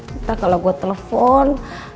ntar kalau gue telepon